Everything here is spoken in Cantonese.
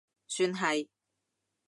算係